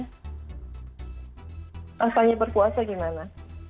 rasanya berpuasa gimana